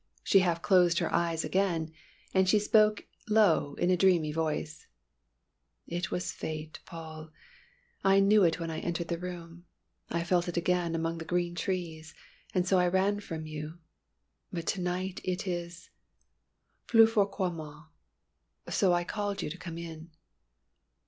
She half closed her eyes again and she spoke low in a dreamy voice: "It was fate, Paul. I knew it when I entered the room. I felt it again among the green trees, and so I ran from you but to night it is plus fort que moi so I called you to come in."